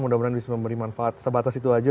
mudah mudahan bisa memberi manfaat sebatas itu aja